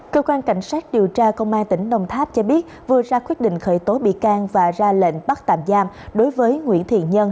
cơ quan cảnh sát điều tra công an tỉnh đồng tháp cho biết vừa ra quyết định khởi tố bị can và ra lệnh bắt tạm giam đối với nguyễn thiện nhân